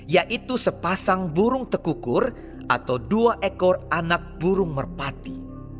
yaitu sepasang burung tekukur atau dua ekor anak burung merpati